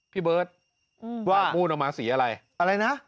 พี่เบิร์ตว่ามูลออกมาสีอะไรอะไรนะ